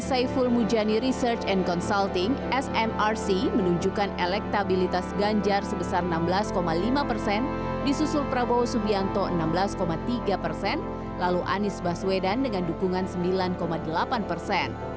saiful mujani research and consulting smrc menunjukkan elektabilitas ganjar sebesar enam belas lima persen disusul prabowo subianto enam belas tiga persen lalu anies baswedan dengan dukungan sembilan delapan persen